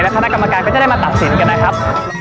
คณะกรรมการก็จะได้มาตัดสินกันนะครับ